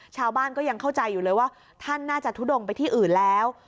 ชาวบ้านก็ยังเข้าใจอยู่เลยว่าท่านน่าจะทุดงไปที่อื่นแล้ว